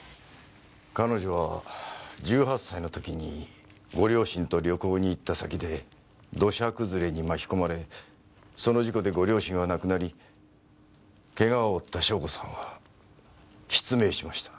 彼女は１８歳の時にご両親と旅行に行った先で土砂崩れに巻き込まれその事故でご両親は亡くなりケガを負った笙子さんは失明しました。